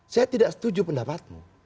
saya tidak setuju pendapatmu